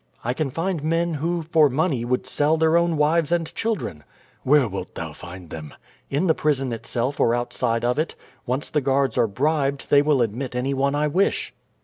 "I can find men who, for money, would sell their own wives and children." ''Where, wilt thou find them?" "In the prison itself or outside of it. Once the guards are bribed they will admit any one I wish."